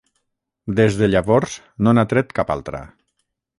Des de llavors, no n'ha tret cap altra.